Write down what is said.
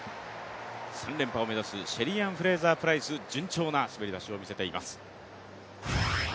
３連覇を目指すシェリーアン・フレイザープライス順調な滑り出しを見せています。